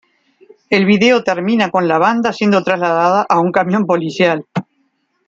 El video termina con la banda siendo trasladada a un camión policial.